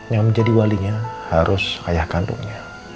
yang menjadi walinya harus ayah kandungnya